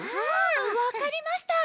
わかりました。